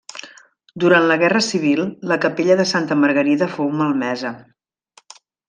Durant la Guerra Civil, la capella de Santa Margarida fou malmesa.